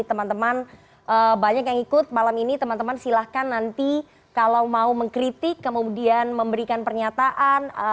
teman teman banyak yang ikut malam ini teman teman silahkan nanti kalau mau mengkritik kemudian memberikan pernyataan